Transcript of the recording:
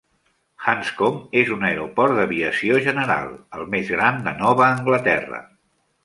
Hanscom és un aeroport d'aviació general, el més gran de Nova Anglaterra.